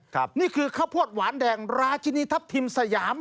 นี่คือข้าวโพดหวานแดงราชินีทัพทิมสยาม